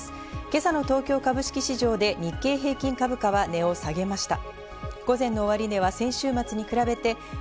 今朝の東京株式市場で日経平均株価は値を下げました。